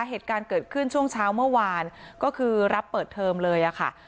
เหตุการณ์เกิดขึ้นช่วงเช้าเมื่อวานก็คือรับเปิดเทอมเลยอะค่ะ